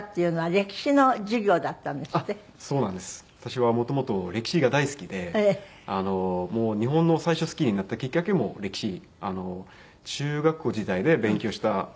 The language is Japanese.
私は元々歴史が大好きでもう日本の最初好きになったきっかけも歴史中学校時代で勉強した日本史だったんですね。